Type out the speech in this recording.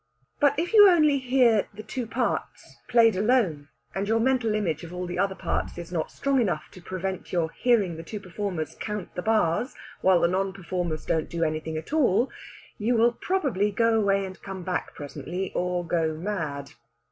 But if you only hear the two parts, played alone, and your mental image of all the other parts is not strong enough to prevent your hearing the two performers count the bars while the non performers don't do anything at all, you will probably go away and come back presently, or go mad.